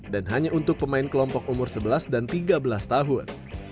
dan hanya untuk pemain kelompok umur sebelas dan tiga belas tahun